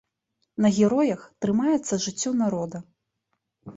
На героях трымаецца жыццё народа.